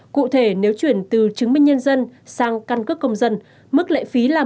cụ thể nếu chuyển từ chứng minh nhân dân sang căn cước công dân mức lệ phí là một mươi năm đồng